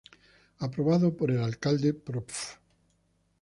Aprobado por el Alcalde Prof.